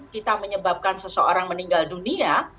kita menyebabkan seseorang meninggal dunia